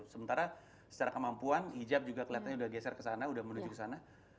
sementara secara kemampuan hijab juga kelihatannya udah geser kesana udah menuju kesana